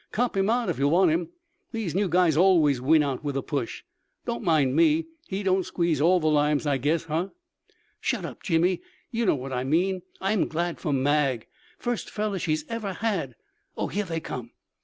"Cop him out if you want him. These new guys always win out with the push. Don't mind me. He don't squeeze all the limes, I guess. Huh!" "Shut up, Jimmy. You know what I mean. I'm glad for Mag. First fellow she ever had. Oh, here they come."